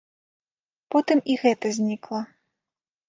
Потым і гэта знікла.